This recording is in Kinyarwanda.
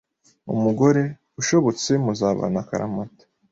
umugore ,ushobotse muzabana akaramata